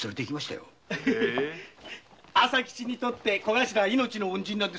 朝吉にとっちゃ小頭は命の恩人。